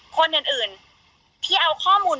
ก่อนหน้านี้เราแบบ๑ปี